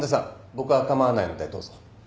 僕は構わないのでどうぞ。